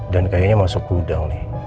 dan kayaknya masuk gudang nih